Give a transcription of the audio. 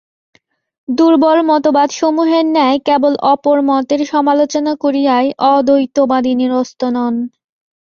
দুর্বল মতবাদসমূহের ন্যায় কেবল অপর মতের সমালোচনা করিয়াই অদ্বৈতবাদী নিরস্ত নন।